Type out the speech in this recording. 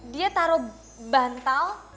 dia taruh bantal